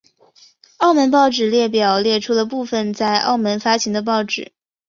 澳门报纸列表列出了部分在澳门发行的报纸。